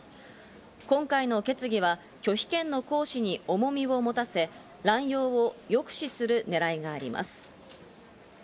今回の決議は拒否権の行使に重みを持たせ乱用を抑止するねらいがあります。